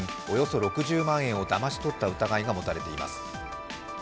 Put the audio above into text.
およそ６０万円をだまし取った疑いが持たれています。